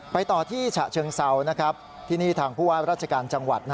ต่อที่ฉะเชิงเซาที่นี่ทางผู้ว่าราชการจังหวัด